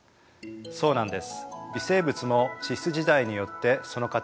そうなんです。